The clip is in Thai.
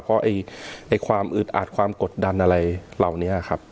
เพราะความอึดอัดความกดดันอะไรเหล่านี้ครับ